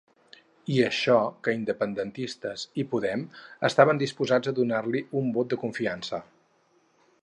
I això que independentistes i Podem estaven disposats a donar-li un vot de confiança.